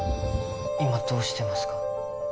今どうしてますか？